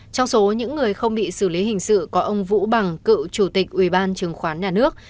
trong số những người không bị xử lý hình sự có ông vũ bằng cựu chủ tịch ủy ban chứng khoán nhà nước